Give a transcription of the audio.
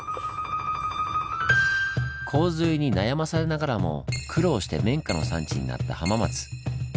洪水に悩まされながらも苦労して綿花の産地になった浜松。